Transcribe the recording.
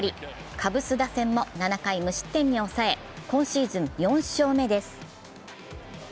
カブス打線も７回無失点に抑え今シーズン４勝目です。